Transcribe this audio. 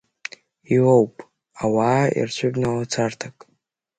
Иоуп ауаа ирцәыбнало царҭак…